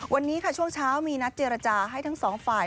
วันนี้ค่ะช่วงเช้ามีนัดเจรจาให้ทั้งสองฝ่าย